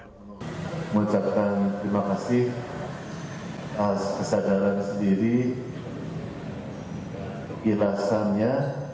saya mengucapkan terima kasih atas kesadaran sendiri ilasannya